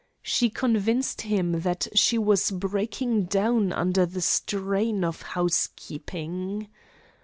She convinced him that she was breaking down under the strain of housekeeping.